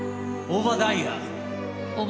オバダィヤ？